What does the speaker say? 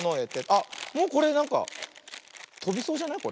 あっもうこれなんかとびそうじゃない？